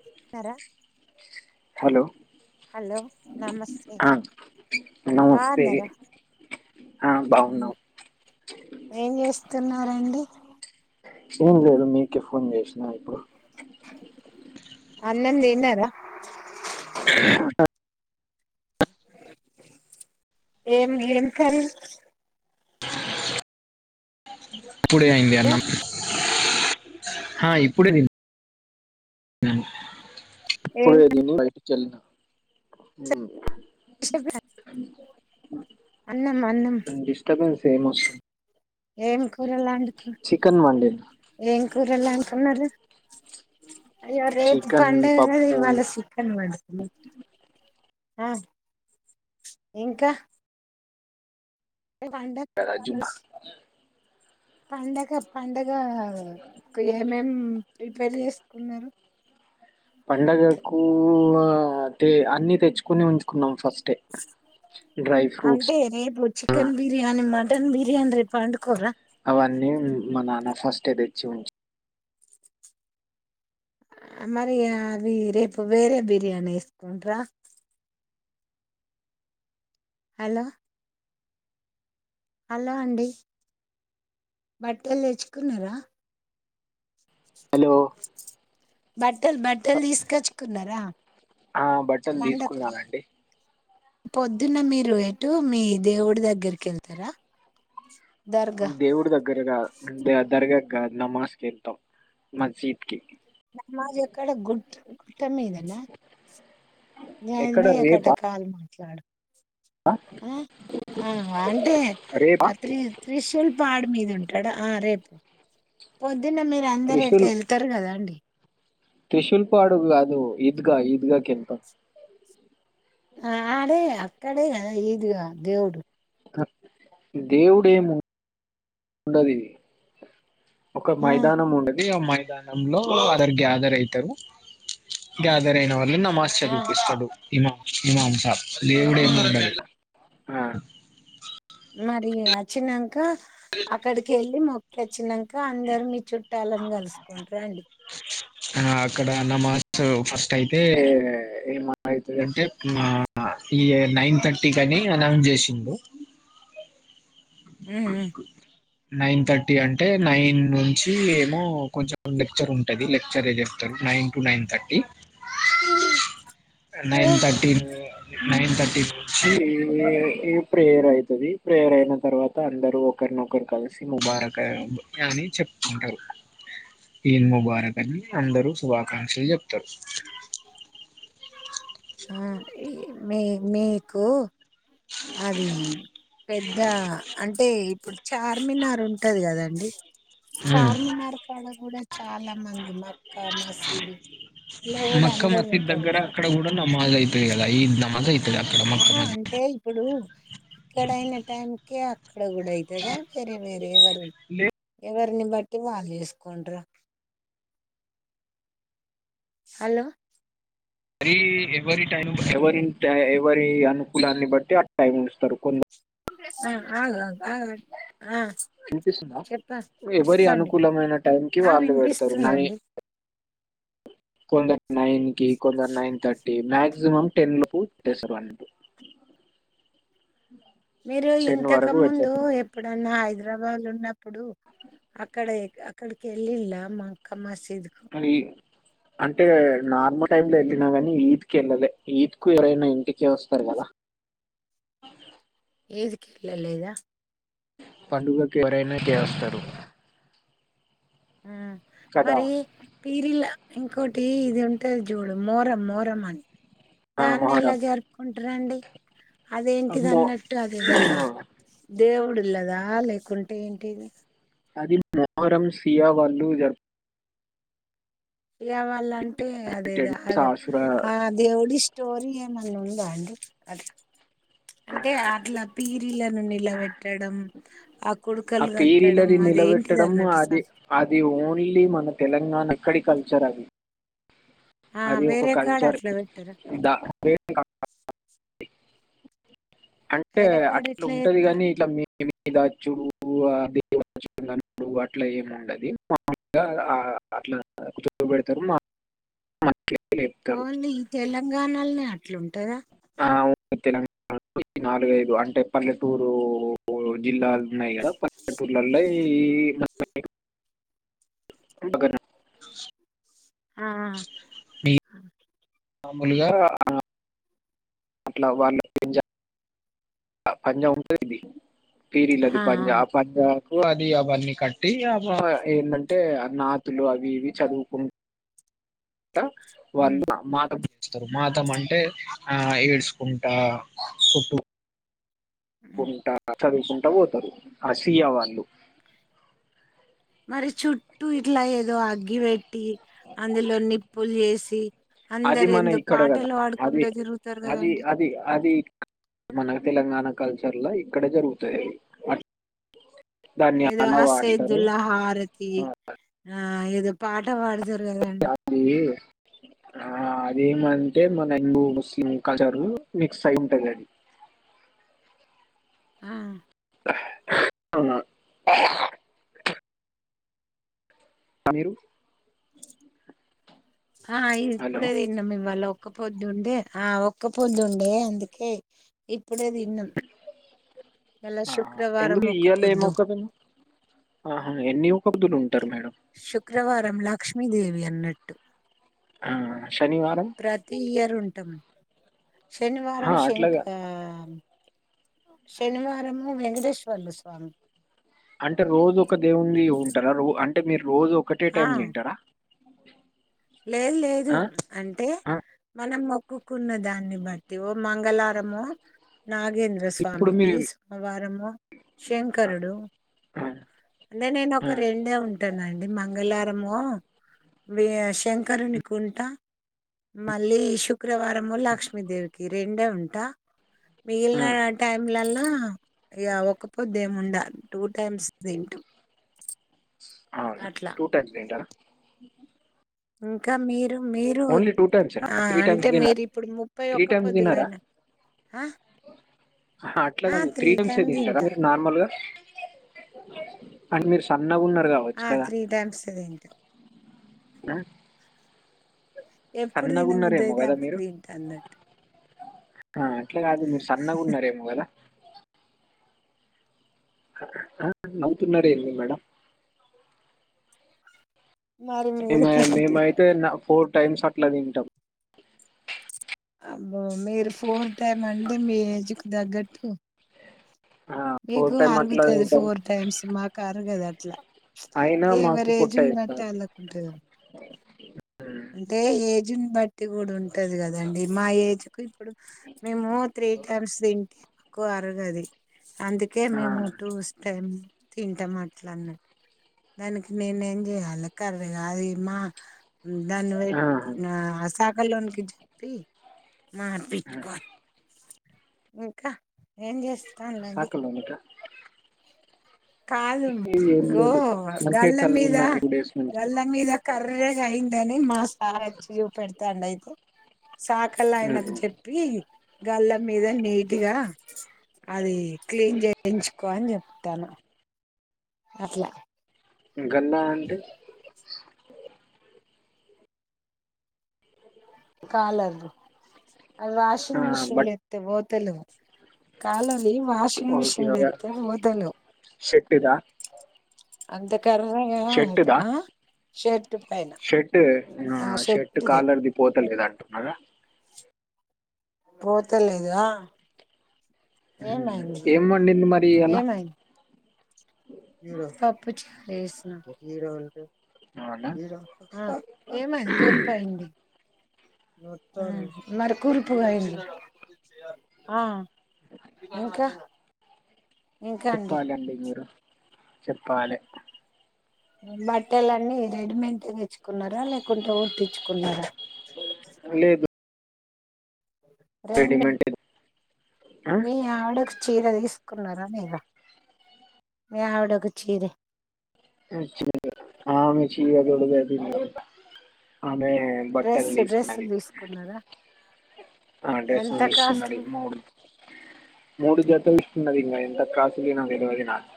తిన్నర hello hello నమస్తే ఆ నమస్తే బాన్నార. ఆ బాగున్నాం ఏం చేస్తున్నారంండి. ఏం లేదు మీకే ఫోన్ చేసిన ఇప్పుడు. అన్నం దిన్నారా అహ్ ఏం ఏం కర్రి అ ఇప్పుడే అయింది అన్నం. ఆ ఇప్పుడే దిన్ ఉహ్ ఏం ఇప్పుడే దిని బయటికెళ్లిన ఉహ్మ్ చెప్ర అన్నం అన్నం ఫేమస్ ఏం కూరలాండుకునా. వండిన ఏం కూరలాండ్కున్నారు. అయ్యో రేపు చికెన్ పండగ కద పప్పు ఇవాళ సిక్కన్ వండుతులు ఆహ్ ఇంకా మీర్ వాండచ్ కదా జుమ్మ [unintelligible] పండగ్ ఇంకా పండగక్ ఏమేం రిపేర్ చేసుకున్నారు పండగకూ ఆ అటే అన్ని తెచ్చుకోని ఉంచుకున్నాం ఫస్ట్ అంటే రేపు చికెన్ బిర్యానీ మ టన్ బిర్యాని రేపు అండుకోరా అవన్నీ మా నాన్న ఫస్టే దెచ్చి ఉంచ్ మరీ అవీ రేపు వేరే బిర్యానీ ఏసుకుంట్రా హలో హలో అండి బట్టలు దెచ్చుకున్నరా హలో బట్టల్ బట్టల్ తీసుకొచ్చుకున్నరా ఆ బట్టలు పండక్క్ తీసుకున్నానండి పొద్దున మీరు ఎటు మీ దేవుడి దగ్గరికి ఎళ్తరా దేవుడి దగ్గరగా ద దర్గ గ నమాజ్ కెల్తం మజీద్ కి నమాజ్ ఎక్కడ గు ట్ట మీదనా గాన్ ఎక్కడ భయ్య కట్ట రేపా కాన్ ట్లాడు ఉ ఆ అంటే రేపా ఆ త్రి త్రిశూల్ పాడు మీద ఉన్ టడ ఆ రేప్ పొద్ దిన మీరు అందరు ఎటో త్రిశూల్ ఎళ్తరు గదండి త్రిశూల్ పాడు గాదు ఈద్గ ఈద్గా కెల్తం ఆడే అక్కడే గద ఇదుగా దేవుడు దేవుడేమొ ఉండదిది ఒక ఆ మైదానం ఉండది ఆ మై ద్యానంలో అదర్ గ్యాదర్ అయితరు గా జరైన వాల్ళు నామాస్ ఆ చదివిపిస్తడు ఇమ ఇమమ్ సాబ్ లొల్లి గూడ ఏం ఉమ్ ఉండదు ఆ మరీ అచ్చినన్ కా అక్కడికెళ్ళి మొ తెచ్చినన్ కా అందరు మీ చుట్టాలని కలుసుకుంటరా అండి ఆ అక్కడ నమాస్ ఫస్ట్ అయితే ఏమ [inaudible] అయితే అంటే ఈ నైన్ థర్టీ కని అనౌన్స్ చేసిండు. నైన్ థ టీ అంటే నైన్ నుంచి ఏమో కొంచెం లెక్చర్ ఉంటది, లెక్చర్ ఏ చెప్తారు nine to nine thirty. Nine thirty ఊ నైన్ థర్టీ ఈ ఈ ప్రేయర్ అయితది ప్రేయర్ అయినం తర్వాత అందరు ఒకరినొకరు కలిసి ముబారక్ అని చెప్పుకుంటారు ఈద్ ముబారక్ అని అందరు శుభాకాంక్షలు చెప్తారు ఒకే మీ మీకు అది పెద్ద అంటే ఇప్పుడు చార్మినార్ ఉంటది కదా అండి హ్మ్. చార్మినార్ కాడ కూడా చాలా మంది మక్కా మసీదు ఇలా కూడా మక్క అందరు మసీద్ ఉంటరు దగ్గర కదా అక్కడ కూడా నమాజ్ అయితది కదా! ఈద్ నమాజ్ అయితది అక్కడ మక్క ఆహా మసీద్. అంటే ఇప్పుడు ఇక్కడయిన టైంకే అక్కడ కూడా అయితద వేరే వేరే ఎవరి ఎవరు ని బట్టి వాళ్ళు చేసుకుంటరా హలో అది ఎవరి టైం ఎవరి టైం ఎవరి ఎవరి అనుకూలాన్ని బట్టి ఆ టైం ఇస్తరు కొన్ ఆ ఆగు ఆగు ఆగు ఆ వినిపిస్తుందా చెప్ప ఎవరి చెప్పండి అనుకూలమైన టైంకిి ఆ వాళ్ళు పెడతరు నాది వినిపిస్తుందండి కొంద నైన్ కి కొందర్ nine thirty max maximum ten లోపు చేస్తామండి మీరు ఇంతక ముందు ఎప్పుడన్నా ఆయిదు [unintelligible] ఉన్నా అప్పుడు అక్కడ ఏ అక్కడికెళ్లిళ్ల మక్కా మసి కని అంటే నార్మల్ టైం లో వెళ్ళినా కానీ ఈద్ కు వెళ్ళే ఈద్ కు ఎవరైనా ఇంటికే వస్తరు కదా ఈద్ కేల్లలేదా పండుగకు ఎవరైనా ఇటే వస్తరు మరి పీరిలా ఇంకోటి ఇది ఉంటది జూడు మోరం మోరం అని ఆ, దాన్ని ఎలా మొహరం జరుపుకుం ట్రండి అదేంటిది అమ్మో అన్నట్టు అదేదన్న దేవుడుల్లదా లేకుంటే ఏంటిది అది మోహరం సియా వాళ్ళు జర్ సియా వాళ్ళం టే అదేదా టెన్ డేస్ ఆశురా ఆ దేవుడి స్టోరి ఏమన్న ఉందా అండి అట్ల అంటే అట్లా పీరిలను నిలవెట్టడం ఆ పీరిలని అదేంటిది నిలబెట్టడం అన్నట్టు అది సార్ అది ఓన్లీ మన తెలంగాణ ఇక్కడి కల్ చరగి ఆ అది ఒక వేరే కాడ కల్చర్ అట్లా పెట్టారా అంటే వేరే కాడ అట్లా ఎట్లా ఉంటది చేస్తారు కాని ఇట్లా మి [inaudible] ఇదచ్చుడు దే [unintelligible] అన్నాడు అట్లా ఏమిండది మాగా అట్లా చ పెడతారు మా మనకి లేపుతారు ఓన్లీ ఈ తెలంగాణలోనే అ అట్లుంటదా తెలంగాణలో నాలుగైదు అంటే పల్లెటూరు జిల్లాలు ఉన్నాయి కదా పల్లెటూర్లలో ఆ మామూలుగా అట్లా వాళ్ళు [unintelligible] పాంజా ముంత ఇదీ తీరిలది ఆ ఆ, పంజాబ్ పంజాబ్ పు అది అవన్నీ కట్టి ఏంటంటే నాతులు అవి ఇవి చదువుకుం ట ఉమ్ వాళ్లు మాట స్తారు మాతం అంటే ఆ ఏడ్చకుంటా సుట్టూ ఉమ్ కుంట చదువుకుంటా పోతారు ఆసియా వాళ్ళు మరి చుట్టూ ఇట్లా ఏదో అగ్గి వెట్ ట్టి అందులో నిప్పులు చేసి అది అందరు మన ఏందో ఇక్కడ కదా పాటలు అది పాడుకుంటూ తిరుగుతారు అది కదండి అది అది మన తెలంగాణ కల్చర్ లో ఇక్కడే జరుగుతాయి అవి ఏదో అసైదుల్లాహరతి ఆ ఏదో పాఠ పాడు జరు కదండి అది ఆ అదేమంటే మన హిందూ ముస్లిం కల్చర్ మిక్స్ అయి ఉంటది అది ఆ అవునా తమీరు హ ఇది హలో ఇప్పుడే తిన్నాం మిమ్మల్లొ ఒక్క పొద్దుండే ఆ ఒక్క పొద్దుండే అందుకే ఇప్ ఇయాల ఆ శుక్రవారం ఎందుకు ఒక్క ఇయాలే ఏ పొద్దు మోక్కకున్నావ్ ఆహ ఎన్ని వొక్క పొద్దులు ఉం శుక్రవారంలా లక్ష్మీదేవి అన్నట్టు ఆ శనివారం ట్టం శనివారం అహా! అట్లా శంక్ కాదు. ఆ శనివారము వెంకటేశ్వర్ల స్వామి అంటే రోజు ఒక దేవుడ్ని ఉంటారా అంటే మీరు రోజు ఒకటే ఆ టైమ్ తింటారా లేదు లేదు ఆ! అంటే ఆ! మనము ఉక్కున్న దాన్ని బట్టి ఓ మంగళారము ఇప్పుడు నాగేంద్రస్వామికి మీరు సోమవారము ఆ! శంకరుడు ఆ! అంటే నేను ఆ! ఒక రెండే ఉంటానుండి నేను మంగళారము వే శంకరుని కుంట మళ్ళీ శు శుక్రవారము లక్ష్మీదేవికి రెండే ఉ ట ఆ! మిగిలిన టైమ్లల ఇగ ఒక పొద్దు ఎం ఉండ టూ టైమ్స్ తింటుం అవునా టూ టైమ్స్ తింటారా ఇంకా మీరు మీరు ఓన్లీ టూ టైమ్స్ ఆ! త్రీ టైమ్స్ అంటే తినారా మీరిప్పుడు త్రీ టైమ్స్ తినారా పొద్దులైన ఆ! ఆ! అట్లాగ త్రీ టైమ్స్ యే టైమ్ తింటారా తింటా. మీరు నార్మల్గా అంటే మీర్ సన్ సన్నగున్నారు కావచ్చు ఆ! కదా టైమ్సే తింటా. ఎప్పుడు తినబద్దు సన్నగున్నారేమో అయితే కదా అప్పుడు మీరు? తింట అన్నట్టు ఆ అట్లా కాదు మీరు సన్నగా ఉన్నారేమో కదా న్వుతున్నారు ఏంది మేడం మరి మీరు మేము ఏంటి మేమైతే నా ఫోర్ట్ టైమ్స్ అట్లా తింటాం అబ్బో మీరు ఫోర్ టైమ్ అండి మీ ఏజ్ కు తగ్గట్టు ఆ ఫోర్ మీకు టైమ్ అట్లా అరుగతది తింటాం. ఫోర్ టైమ్స్ మాకు అరగదు ట్లా అయినా మాకు పుట్ట వేస్తారు వాళ్ళకు ఉంటది అంటే ఏజ్ని బట్టి కూడా ఉంటది కదండి మా ఏజ్ కు ఇప్పుడు మేము త్రీ టైమ్స్ తింటె మాకు అరగది అందుకే ఆ మేము చూస్తాము తింటాం అట్లా అన్నట్ దానికి నేనే ఏం చెయాలి కర్రగా అది మా దాని వే ఆహా! ఆ గలనునికి జతి మార్పిిట్కో ఇంకా ఏం చేస్త స కిలోమీటర్ కాదు ఓో మంచిగా గల్ల మీద చల్లగున్నది డేస్ నుంచి. గల్ల మీద కర్రేగా అయిందని మా సార్ వచ్చి చూ పెడతాండు అయితే సాకలా ఆయనకు హుహు. చెప్పి గల్ మీద నీట్ గా అది క్లీన్ చేయించుకో అని చెప్తాను అట్లా గల్లా అంటే అ వ ఆ వాషింగ్ మెషిన్ లో బట్ వేస్తే పోత తెలు కాాలం వాషింగ్ ఓకే. మిషిన్ లో ఓకే. వేస్తే పోతలేవ్ షర్టుదా? అంత కర్రెగ అట షర్టుదా? ఆ షెట్ షర్ట్ షర్ట్ షర్ట్ది కాలర్ది పోతలే అంటున్నారా పోతలేదా ఏం వండింది మరి అలా పుచకయ అవునా! ఏమంది కూల్పోయిడి మరకూరూపుగా అయింది ఇంకా ఇంకా అండి చెప్పాలండి మీరు చెప్పాలే బట్టలన్నీ రెడీమేట్ తెచ్చుకున్నారా లేకుంటే కుట్టించుకున్నారా అ లేదు రెండి రెడీమేంటే ఆ! మీ ఆవిడకు చీర తీసుకున్నారా లేదా మీ ఆవిడకు చీరె ఆమె చీర తొడగది బట్టలు డ్రెస్ డ్రెస్ తీసుకున్నాది తీసుకున్నారా ఆ డ్రెస్లు ఎంత తీసుకున్నది కాస్ట్లీ మూడు మూడు జతలు ఉన్నది ఇంగ ఎంత కాసలేనో దెలవది నాకు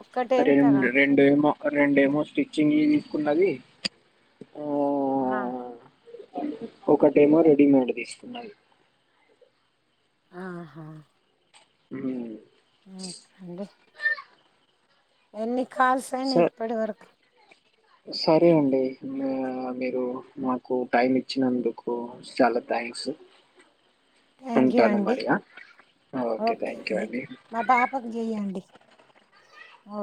ఒక్కటే రేండు ఎంతగా రెండేమో రెండేమో స్టిచ్చింగ్ ఇ తీసుకున్నది ఊ ఆ ఒకటేమో రెడీమేడ్ తీసుకున్నది ఆహా ఊ ఇంకండి ఎన్ని ఖాల్సయినయ్ స- ఇప్పటివరకు సరే అండి మీరు మాకు టైం ఇచ్చినందుకు చాలా థ్యాంక్సు థ్యాంక్ యూ ఉంటాను అండి మరిగా ఆ ఓకే థ్యాంక్ యూ అండి ఓ